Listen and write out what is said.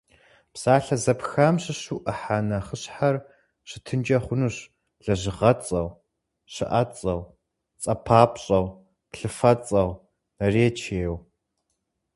Псалъэ зэпхам щыщу ӏыхьэ нэхъыщхьэр щытынкӏэ хъунущ лэжьыгъэцӏэу, щыӏэцӏэу, цӏэпапщӏэу, плъыфэцӏэу, наречиеу.